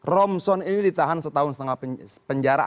romson ini ditahan setahun setengah penjara